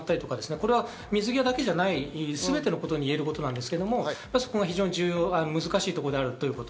これは水際だけじゃないすべてのことに言えることですけど、まずそこが非常に難しいところであること。